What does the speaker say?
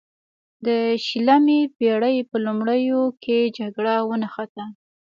د شلمې پیړۍ په لومړیو کې جګړه ونښته.